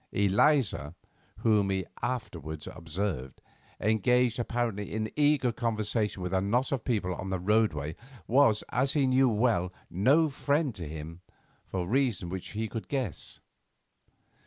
Eliza, whom he afterwards observed, engaged apparently in eager conversation with a knot of people on the roadway, was, as he knew well, no friend to him, for reasons which he could guess.